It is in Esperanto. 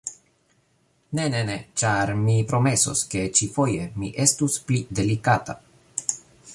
Ne, ne, ne, ĉar mi promesos, ke ĉi-foje mi estus pli delikata